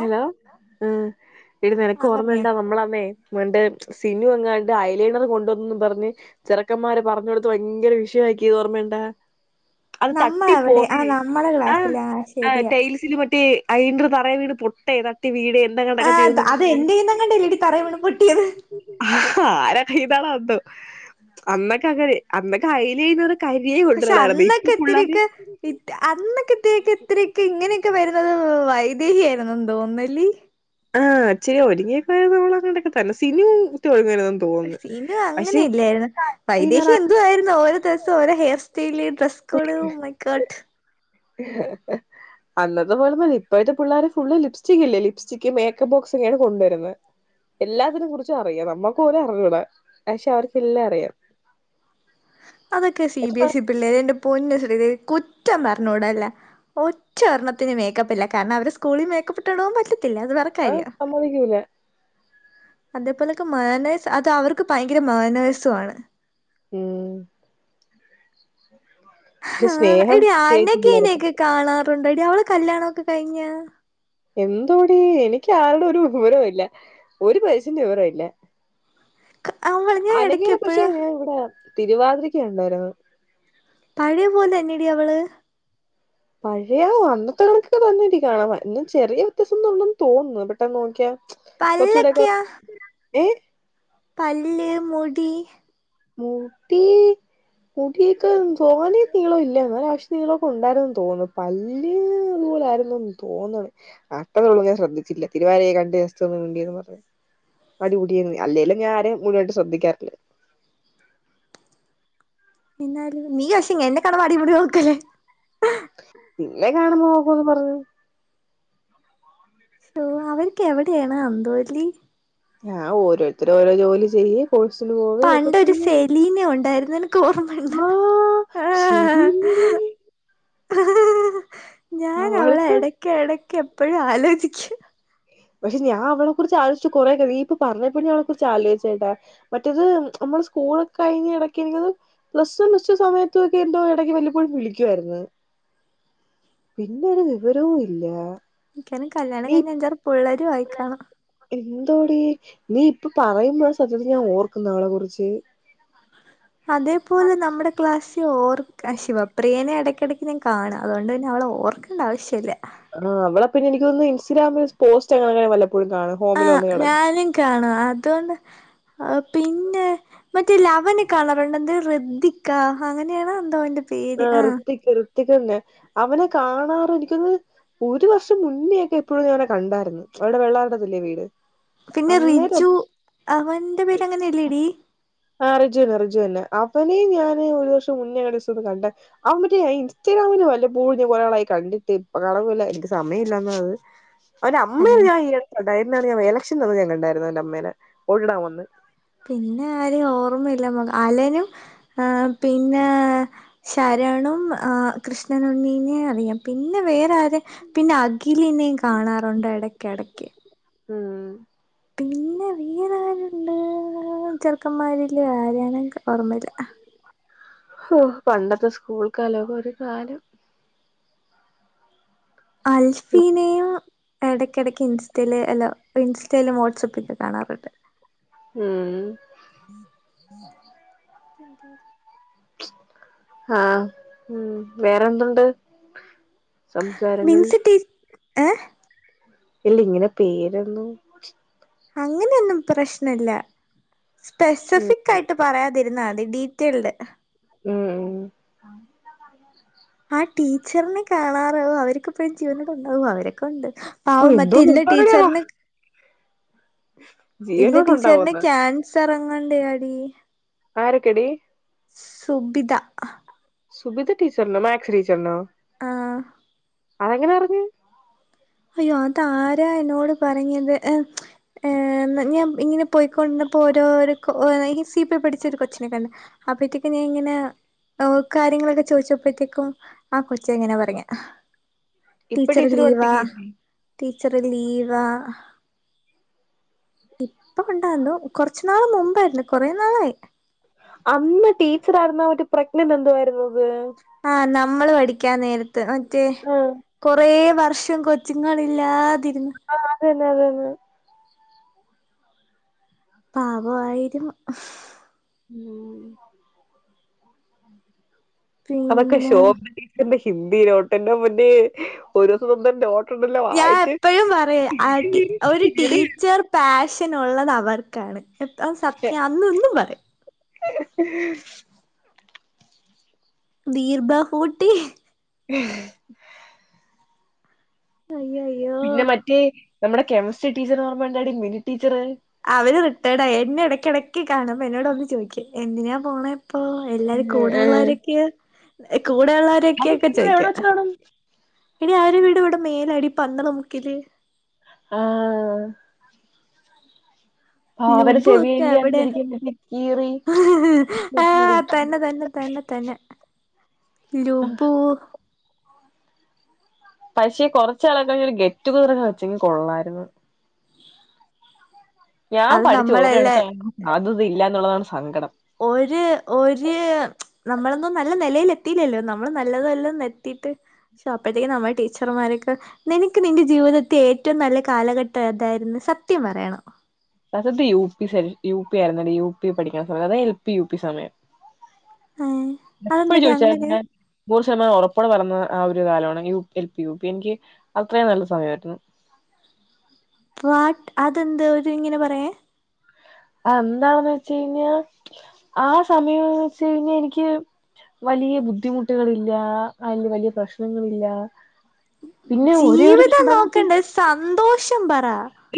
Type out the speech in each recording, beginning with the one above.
Hello ആഹ എടീ നിനക്ക് ആ പറഞ്ഞോ ഓർമ്മുണ്ടാവും നമ്മളന്നെ മൺഡേ സിനു അങ്ങാണ്ട് അഐലീണർ കൊണ്ടുവന്നന്ന് പറഞ്ഞ് ചിറക്കന്മാരെ പറഞ്ഞുക കൊടുത്ത് ഭയങ്കര വിഷയമാക്കിയത് ഓർമ്മയ അത് തട്ടി നമ്മളവിടെ ആ പോവേ നമ്മളെ ആ ക്ലാസ്സില ശരിയാ ടൈയ്സിന് മറ്റേ അയ്ന്റെർ തറയി വീണ്പൊട്ടേ തട്ടി വീഴ് ആ എന്തങ്ങൊക്കെ ചെയ്യുന്നു അത് എന്റെയ്യിന്നങ്ങാണ്ടല്ലേടി തറയി വീണ് പൊട്ടിയത് ആരാക്കെ ഇതാണോ അന്തോ അന്നൊക്കെ അങ്ങ അന്നക്കെ അലയ്ലിനർ പക്ഷെ അന്നൊക്കെ എത്രക്ക് അന്നൊക്കെ ഇക്ക് എത്രക്ക് ഇങ്ങനെയൊക്കെ വരുന്നത് വൈദേഹി ആയിരുന്നു തോന്നന്നു ല്ലേ ആഹ ഇ ച്ച്ചി രി ഒരുങ്ങിയൊക്കെവരു ന്ന നമ്മൾ അങ്ങൊക്കെ തന്നെ സിനുഒഴിങ്ങ സീനുഅങ്ങനെ ഇല്ലായിരുന്നു വൈദേഹി ഐലൈനർ എന്ത്ആരുന്നു ഓരോ ദിവസവും ഓരോ ഹെയർ സ്റ്റൈലന്ന് ഉകുടു മൈക്കോട്ട ആ അന്നത് പോലെഒന്നു അല്ലഇപ്പോഴത്തെ പിള്ളേെ ഫുള് ലിപ്സ്റ്റിക് ഇല്ലേ ലിപ്സ്റ്റിക്ക് മേക്കപ്പ് ബോക്സ് ഒക്കെയാണ് കൊണ്ടുവരുന്നത് എല്ലാത്തിനെ കുറിച്ചും അറിയാം നമ്മക്ക് പോലെ അറിഞ്ഞൂട പക്ഷെ അവർക്കെല്ലാം അറിയാം അതൊക്കെ സി ബി പക്ഷെ എസ് ഇ പിള്ളേര്ന്റെ പോന്നു [unintelligible] കുറ്റം പറഞ്ഞൂടല്ല ഒറ്റണ്ണത്തിന് മേക്കപ്പ് ഇല്ല കാരണം അവരെ സ്കൂളിൽ മേക്കപ്പ് ഇട്ടുപോ വാ ൻ പറ്റില്ല അത് വറെ കാര്യം സമ്മതിക്കൂല അതേപോലൊക്കെ മാനേസ് അത് അവർക്ക് ഭയങ്കര മാനേസു മാണ് ഉം ആ പക്ഷെ സ്നേഹം എടിആന കേറ്റി ഖ പിള്ളേർക്ക് ഇനൊക്കെ കാണാറുണ്ടോ അവളെകല്യാണൊ ഒക്കെ കഴിഞോ എന്തുടി എനിക്ക് ആരുടെ ഒരു വിവര ഇല്ല ഒരു പൈസന്റെ വിവരംല്ല അവള് ഞാൻ അനഖ ഇടക്ക് നെപക്ഷേ എപ്പോഴാ ഞാൻ ഇവിടെ തിരുവാതിരക്ക് കണ്ടാ യിരുന്നു പഴയ പോലെ അല്ല ടിഅവള് പഴയാവും അന്നത്തെ കണക്കൊക്കെ തന്നിട്ട കാണാം ഇന്ന് ചെറിയ വ്യത്യാസം എന്നള്ളന്ന് തോന്നുപെട്ടനോക്കിയ പല്ല ഒക്കെ ഏ പല്ല് മുടി മുടി മുടിയൊക്ക തോനെ നിളോ ഇല്ല എന്ന ആവശ്യം നിങ്ങളൊക്കെ ഉണ്ടായിരോന്ന് തോന്നുന്നു പല്ല് അത് പോലെ ആയിരുന്നുതോണു അത്രള്ളൂ ഞാൻ ശ്രദ്ധിച്ചില്ല തിരുവാരയെ കണ്ട് വണ്ടിയന്ന് പറഞ്ഞു തടികൂടിയ അല്ലേല്ലും ഞാൻ ആ രേയും മുന്നോട്ട് ശ്രദ്ധിക്കാറില്ല എന്നാലും നീ പക്ഷഎന്നെക്കണ അടിപടി നോക്കല്ലേ പിന്നെ കാണുമ്പോ നോക്കുംന്ന് പറഞ്ഞു ഹലോ അവർക്ക് എവിടെയാണ് അന്തോല്ലി ആഹ ഓരോരുത്തരും ഓരോ ജോലി ചെയ് കോഴ്സിന് പോക്കെ പണ്ടൊരു ചെയ്ണ്ട് സെലീന ഉണ്ടായിരുന്നു നിനക്ക് ഓർമ്മയുണ്ട ആഹ ശരി തന്നെ ഉ ഞാൻ അവളെ അവളത്തെ ഇടക്ക ഇടക്ക് എപ്പോഴും ആലോചി പക്ഷെ ഞാൻ അവളെ കുറിച്ച് ആലോചിച്ച് കൊറെ നീയിപ്പൊ പറഞ്ഞപ്പോ അവളെ കുറിച്ച് ആലോചിച്ചട്ടാ മറ്റേത് നമ്മൾ സ്കൂൾ കഴിഞ് നടക്കെയിരുന്നു പ്ലസ് വൺ പ്ലസ്ടുസമയത്ത ഒക്കെ എന്തോ ഇടക്ക് വല്ലപ്പോഴും വിളിക്കു ആയിരുന്നു പിന്നെ ഒരു വിവരവും ഇല്ല എക്കാനും കല്യാണം നീ കഴിഞ്ഞ് അഞ്ചാറ് പുള്ളേരും ആയിക്കാണും ന്തോടി നീ ഇപ്പൊ പറയുമ്പോൾ സത്യത്തി ഞാൻ ഓർക്കുന്ന അവളെ കുറിച്ച് അതേപോലെ നമ്മുടെ ക്ലാസ് ഓർക്ക ശിവപ്രിയനെ ഇടക്കിടക്ക് നി കാണാം അതുകൊണ്ട് തന്നെ അവളെ ഓർക്കേണ്ട ആവശ്യമില്ല ആ അവളെ പിന്നെ എനിക്ക്ന്ന് ഇൻസ്റ്റഗാമില് പോസ്റ്റ് അങ്ങനെങ്ങനെ വല്ല ആ ഞാനും കാണും അതുകൊണ്ട് ആ പിന്നെ മറ്റേ ലവന കാണറുണ്ടോ എന്ത് ഋദ്ദിക്കോ അങ്ങനെയാണോ എന്തോന്റെ ആഹ ഋത്തിക്ക് ഋ ഋത്തിക്ക് തന്നെ അവനെ കാണാറ എനിക്കൊന്ന് ഒരു വർഷം മുന്നേയൊക്കെ എപ്പോഴോ അവനെ കണ്ടായിരുന്നു അവിടെ വെള്ളാരുടത്തല്ലേ വീട് പിന്നെ അന്നേരം റിജു അവന്റെ പേര്ങ്ങനെയല്ലേടി ആ റിജുന്നെ, റിജുന്നെ, അവനെയും ഞാന് ഒരു വർഷം മുന്നേ അങ്ങടെ കണ്ടാ അവന്റെ ഇൻസ്റ്റ [unintelligible] വല്ലപ്പോഴും കുറെന്നാളായി കണ്ടിട്ട് [unintelligible] എനിക്ക് സമയമല്ലാന്നെത് അവന്റെ അമ്മെ അയാ ഞാൻ ഈ അടുത്തുണ്ടായിരുന്നു ഞൻ എലക്ഷൻ നിന്ന് കണ്ടായിരുന്നു, അവന്റെ അമ്മനെ വോട്ടിടാൻ വന്ന്. പിന്നെ ആര്? ഓ അല്ല മ അലനും പിന്നെ? ശരണും ആ കൃഷ്ണ നെ അറിയാം പിന്നെ വേറെ ആരെ? പിന്നെ അഖിലിനെയും കാണാറുണ്ട് ഇടക്ക ഇടക്ക്. ഉം പിന്നെ വീനവരുണ്ട് ചെറുക്കന്മാരില് ആരണെങ്ക ഓർമ്മ ഇല്ല. ഓ, പണ്ടത്തെ സ്കൂൾക്കാലോ ഒരു കാലം! അൽഫിനെയ? ഇടയ്ക്ക ഇടക്ക് ഇൻസ്റ്റൽ അല്ലോ ഇൻസ്റ്റയിലൽ വാട്സപ്പ് ലോ കാണാറുണ്ട്. ഉം. തിരി രി. ആഹ, ഉ വേറെന്തുണ്ട്? സംസാരങ്ങൾ? ഏഹ? ഇല്ല ഇങ്ങനെ പേരന്നു? അങ്ങനെയൊന്നും പ്രശ്നല്ല ഉം സ്പെസിഫിക് ആയിട്ട് പറയാതിരുന്നതി. ഡീറ്റെയിൽഡ്. ഉം ഉ.. ആ ടീച്ചറിനെ കാണാറാവോ? അവർക്കെപ്പോഴും ജീവനൊക്ക ഉണ്ടാവുമോ? അവരൊക്കെ ഉണ്ട്. ആ് ഓ മറ്റ എന്തോ ഇല്ല സംസാരടിയാവാ ടീച്ചർന് ഇല്ല ജീവനോടെ ടീച്ചറിന് ഉണ്ടാവോന്ന് ക്യാൻസർങ്ങാണ്ടേ ആ ടീ ആരക്കെടി? സുബിധ. സുബിത ടീച്ചർനോ മാക്സ് ടീച്ചർ നോ? ആഹ.. അതെങ്ങനാറ്ഞ്ഞ് അയ്യോ അത ആരാ എന്നോട് പറഞ്ഞത്? ഏ ഞാൻ ഇങ്ങനെ പോയിക്കൊണ്ടപ്പോ ഓരോ നയൻ ഈ സി പി പഠിച്ച ഒരു കൊച്ചിനെ കണ് അപ്പത്തേക്ക് ഞാൻ ഇങ്ങനെ? കാര്യങ്ങളൊക്കെ ചോദിച്ചപ്പോഴത്തേക്കും ആ കൊച്ച ഇങ്ങനെ പറഞ്ഞെ. ഇപ്പൊ ടീച്ചർ ലീവാ. പഠിപ്പിക്കയില്ലേ ടീച്ചറ് ലീവാ. ഇപ്പൊ ഉണ്ടായിരുന്നു കൊറച്ച നാള് മുമ്പായിരുന്നു കൊറെ നാളായി. അന്ന് ടീച്ചറായിുന്ന ആ ഒരു പ്രജ്ഞ എ എന്തുായിരുന്നു? ആഹ, നമ്മള് പഠിക്കാൻ നേരത്ത് മറ്റേ കൊറേ വ. വർഷം കൊച്ചുങ്ങളില്ലാതിന്ന്. തന്നെതന്നെ. പാവായിരുന്നു. അവൊക്കെ പിന്നെ ശോ. ഹിന്ദി നോട്ട്ന്നെ മുന്നേ ഒരു ദിവസം നോ. ഞാൻ എപ്പോഴും, പറ ആ ഒരു ടീച്ചർ പാഷ. അഛനുള്ളത് അവർക്കാണ്. എത്ര സത്യം അന്നൊന്നും പറയും. ഹെ ഹെ വീർബാ ഹൂട്ടി. ശ് അയ്യോ അയ്യോ പിന്നെ മറ്റേ നമ്മുടെ കെമിസ്ട്രി ടീച്ചർ ഓർമ്മണ്ടടി? Minute teacher? അവര് റിട്ടയേഡ ആായി എന്നെ ഇടക്കിടയ്ക്ക് കാണപ്പ എന്നോട് ഒമ്മന്ന് ചോദിക്ക എന്തിനാ പോണേ? പ്പൊ എല്ലാരും കൂടെള്ളവരൊക്കെ. കൂടെയള്ളവരൊക്കെയൊക്കെ അതൊക്കെ ചോയ്ക്ക. എവിടെ വെച്ച് കാണും ഇനി ആരുവിട് ഇവിടെ മേലടി പന്തള മുക്കില്. ആ ലുബു ക്കെ ചെവിയല്ലേ എവിടെ അന്നിരിക്കുമ്പഴത്തേക്ക് കീറി ആ തന്നെ തന്നെ തന്നെ. ന്ന തന്നെ. ലൂബൂ പക്ഷേ കുറച്ചാളൊക്കെ ഒരു ഗെറ്റുഗതോറൊക്കെ വെച്ചെങ്കി കൊള്ളായിരുന്നു. ഞാൻ അത് പഠിച്ച നമ്മളല്ലേ ഓരിടത്തും സാധ്യത ഇല്ല എന്നുള്ളതാണ് സങ്കടം. ഒര് ഒര് നമ്മളൊന്നും നല്ല നിലൽ എത്തില്ലല്ലോ നമ്മൾ നല്ലതല്ലാം എത്തി. ട്ട്. നോക്കേടി ടീച്ചർമാരൊക്കെ നിനക്ക് നിന്റെ ജീവിതത്തെ ഏറ്റവും നല്ല കാലഘട്ടം ഏതായിരുന്നു? സത്യം പറയണം. സത്യ യു പി ആരുന്ന യു പി പഠിക്കണ സമയത്ത് അതായ എൽ പി യു പി സമയം. ഏ എപ്പോ അതെന്തടി ചോദിച്ചാെ അങ്ങനെ നൂറ് ശതമാനം ഉറപ്പടെ പറ. ആ ഒരു കാലമാണ് എൽ പി യു പി എനിക്കത്രയും നല്ല സമയയിരുന്നു. അതെന്ത് ഒരു ഇങ്ങനെ പറയാ? എന്താെന്ന് വെച്ചഴിഞ്ഞാ ആ സമയം വെച്ച്ഴിഞ്ഞാ എനിക്ക്. വലിയ ബുദ്ധിമുട്ടുകളില്ല അതില് വലിയ പ്രശ്നങ്ങളില്ല. പിന്നെ ഒരേ ഒരു ജീവിതം ഘടകത്തിൽ നോക്കണ്ട സന്തോഷം പറ.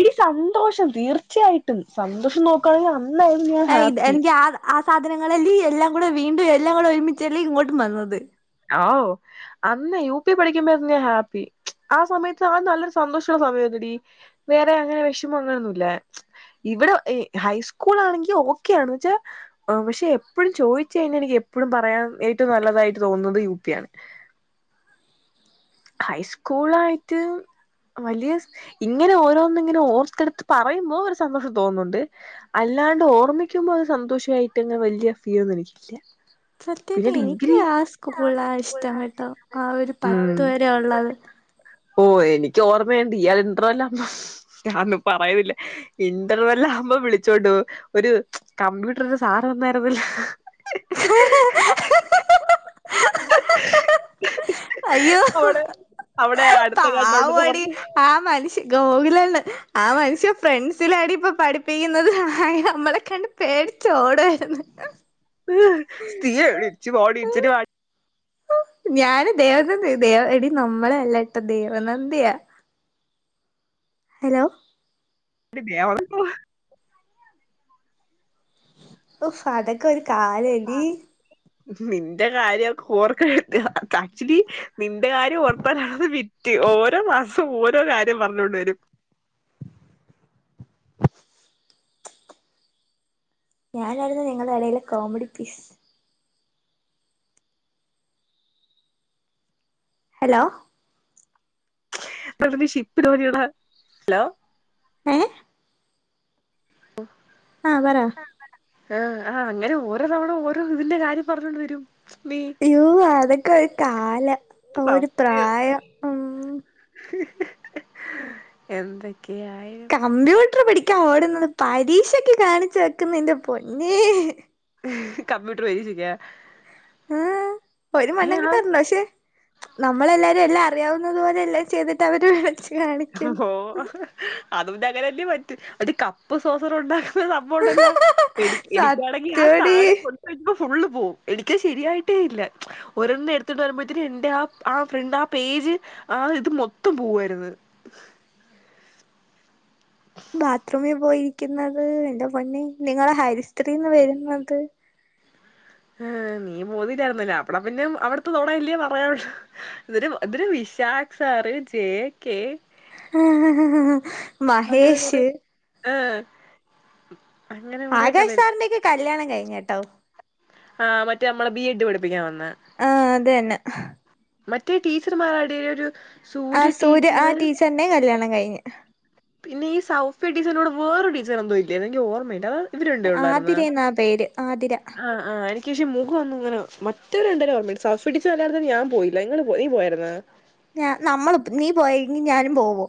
എടി സന്തോഷം തീർച്ചയായിട്ടും സന്തോഷം നോക്കണെങ്കിൽ. ആഹ ഇതെ എനിക്ക് ആ ആ സാധനങ്ങളെല്ലാം കൂടെ. വീണ്ടും എല്ലാം കൂടെ ഒരുമിച്ചല്ലേ ഇങ്ങോട്ടും വന്നത്. ഓ അന്ന് യു പി പഠിക്കുമ്പത്തിന്ന് ഹാപ്പി. ആ സമയത്ത് ആ നല്ലൊരു സന്തോഷമുള്ള സമയമടി വേറെ അങ്ങനെ വിഷമോ ങ്ങനൊന്നുല. ഇവിടെ ഹൈസ്കൂൾ ആണെങ്കിൽ ഓക്കെയണ് ന്നച്ചാൽ പക്ഷെ എപ്പോഴും ചോദിച്ചഴിഞ്ഞാ എപ്പേ. പ്പഴും പറയാൻ ഏറ്റവും നല്ലതായിട്ട് തോന്നുന്നത് യു പി ആണ്. ഹൈസ്കൂൾ ആയിട്ട് വലിയ ഇങ്ങനെ ഓരോന്നിങ്ങനെ ഓർത്തെടുത്ത് പറയുമ്പോ ഒരു സന്തോഷം തോന്നുന്നുണ്ട് അൽ അല്ലാണ്ട് ഓർമ്മിക്കുമ്പോ അത് സന്തോഷയിട്ട് വലിയ ഫീലൊന്നും എനിക്കില്ല. സത്യട്ട പിന്നെ എനിക്ക് ഡിഗ്രി ആ സ്കൂള ഇഷ്ടംട്ടോ ആ ഒരു പത്ത് വരെ. ഉം ള്ളത് ഓ എനിക്ക് ഓർമ്മയുണ്ട് ഇയാൾ ഇന്റർവല്ല ഞാന്നും പറയുല്ല ഇന്റർവല. ആവുമ്പം വിളിച്ചോണ്ട്വും ഒരു കമ്പ്യൂട്ടറിന്റെ സാറ ഒന്നയിര്ന്നല്ലോ ഹി ഹി അവിടെ ആഹ് അടുത്തെങ്ങാണ്ട് ഉണ്ടെന്ന് പാവടി പറഞ്ഞ് ആ മനുഷ്യ ഗോകുല ന്ന് ആ മനുഷ്യ ഫ്രണ്ട്സിലടിപ്പൊ പഠിപ്പിക്കുന്നത് നമ്മളെ കണ്ട് പേടിച്ചൊട് വര്ന്ന് [unintelligible] ഇച്ചിരി ഓഹ് ഞാന് ദേവനന്ദ ദേ എടി നമ്മളല്ലട്ട ദേവനന്ദയാ ഹലോ ആടി ദേവനന്ദാ ഓഹ് അതൊക്കെ ഒരു കാലവല്ലി നിന്റെ കാര്യൊക്കെ ഓർക്ക ആക്ച്വലി നിന്റെ കാര്യം ഓർപ്പാനണത് വി ത്തി ഓരോ മാസം ഓരോ കാര്യം പറഞ്ഞോണ്ട് വരും ഞാനാരുന്നു ഞങ്ങടെ എടെലെ കോമഡി പീസ്. ഹലോ ഇപ്പ അവന് ഷിപ്പ് ജോലിയെടാ ഹലോ- ഏഹ് - [inaudible] ആഹ് പറ- ആഹ് ആഹ് അങ്ങനെ ഓരോ തവണ ഓരോ ഇതിന്റെ കാര്യം പറഞ്ഞോണ്ട് വരും- നീ അയ്യോ അതൊക്കെ ഒരു കാലം ഒരു സത്യം പ്രായം ഉം- എന്തെ- കമ്പ്യൂട്ടർ പഠിക്കാൻ ഓടുന്നത് പരീക്ഷക്ക് കാണിച്ചു വെക്കുന്ന എന്റെ പൊന്നേ- കമ്പ്യൂട്ടർഎയ്തിച്ചില്ല- ആഹ് ഒരു മണ്ണാകട്ടേ അർഞ്ഞുട പക്ഷെ- നമ്മളെല്ലാരും എല്ലാം അറിയാവുന്നതു പോലെല്ലാം ചെയ്തിട്ട് അവര് വിളിച്ച് - ഓഹ് അതുപിന്നങ്ങനല്ലേ പറ്റു ഒരു കപ്പ് സോസറ് ഉണ്ടാക് ക്ക്ന്നസംഭവണ്ടല്ലൊ എനി എടിക്കാണെങ്കി ആ സത്യടി സാധനം കൊണ്ട് - ഫുളള് പോവും എനിക്ക് ശരിയായിട്ടേ ഇല്ല ഒരണ്ണം എടുത്തിണ്ട് വരുമ്പത്തിന് എന്റെ ആ ഫ്രണ്ട് ആ പേജ് - ജ് ആഹ് ഒര് ഇത് മൊത്തം പോവാര്ന്ന്- ബാത്റൂമിൽ പോയിരിക്കുന്നത് എന്റെ പൊന്നെ നിങ്ങളെ ഹരിസ്ത്രീന്ന് വരുന്നത്- ആ നീ മൂന്നി രാമനാ അപ്പളാ പിന്നെ അവ്ട്ത്ത് നോണഅല്ലെ [unintelligible] ഷാക് സാറ് ജെ കെ [unintelligible] മഹേഷ് ഉ [unintelligible] ആകാശ് സാറിന്റെക്കകല്യാണം കഴിഞ്ഞ ട്ടോ ആ മറ്റേ അമ്മളെ ബി എഡ് പഠിപ്പിക്കാൻ വന്ന ആഹ് അത് തന്നെ മറ്റേ ടീച്ചർമാർടയില് ഒരു ആ സൂര്യ ആ ടീച്ചറ് ടീച്ചറിന്റെയും കല്യാണം കഴിഞ്ഞ് പിന്നെ ഈ സൗഫിടീച്ചർൻ്റെ ടെ വേറെ [unintelligible] ന്നും ഇല്ലേ നിക്കി ഓർമ്മയില്ല ഇവരുണ്ടേ ഉള്ളായിരുന്നോ ആതിരയെന്നാ പേര് ആതിര ആ ആ ക്ഷേ മുഖയെന്ന് ഇങ്ങനെ മറ്റൊരു എന്തോരോ ഒണ്ട്, സഫ് പിടിച്ചാൽ [unintelligible] ഞാൻ പോയില്ല ഇങ്ങള് പോ ഈ പോയായിരുന്നോ? ഞാ നമ്മള് നീ പോയെങ്കിൽ ഞാനും പോകും.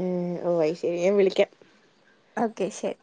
ഉം വൈഷ്ണവിയും വിളിക്കാം. ഓക്കേ ശരി.